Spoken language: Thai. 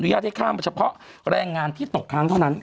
ญาตให้ข้ามเฉพาะแรงงานที่ตกค้างเท่านั้น